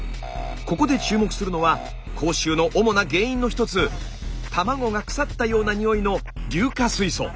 ここで注目するのは口臭の主な原因の一つ卵が腐ったようなにおいの硫化水素。